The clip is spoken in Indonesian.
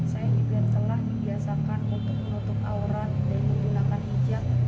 saya juga telah dibiasakan untuk menutup aurat dan menggunakan hijab